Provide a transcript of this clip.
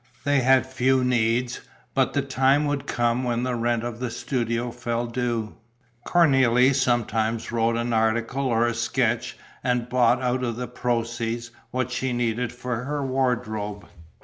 They had few needs, but the time would come when the rent of the studio fell due. Cornélie sometimes wrote an article or a sketch and bought out of the proceeds what she needed for her wardrobe.